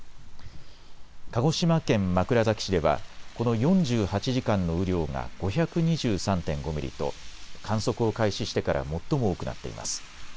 鹿児島県枕崎市ではこの４８時間の雨量が５２３．５ミリと観測を開始してから最も多くなっています。